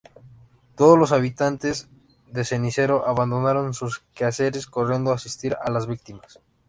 Todos los habitantes de Cenicero abandonaron sus quehaceres corriendo a asistir a las víctimas.